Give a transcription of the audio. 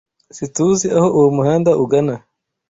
SiTUZI aho uwo muhanda ugana.